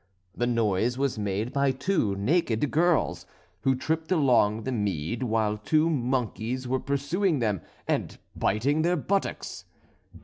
The noise was made by two naked girls, who tripped along the mead, while two monkeys were pursuing them and biting their buttocks.